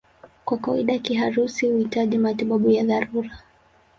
Kwa kawaida kiharusi huhitaji matibabu ya dharura.